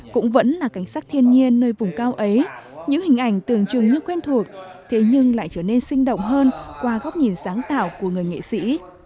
cũng vẫn là cảnh sắc thiên nhiên nơi vùng cao ấy những hình ảnh tưởng chừng như quen thuộc thế nhưng lại trở nên sinh động hơn qua góc nhìn sáng tạo của người nghệ sĩ